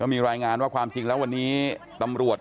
แล้วมีรายงานว่าความจริงของวันนี้ตำรวจ